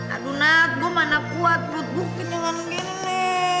aduh nat gue mana kuat mabuk gini mabuk gini